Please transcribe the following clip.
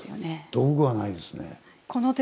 道具はないですね。